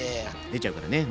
出ちゃうからね。